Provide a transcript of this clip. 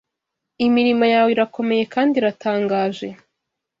imirimo yawe irakomeye kandi iratangaje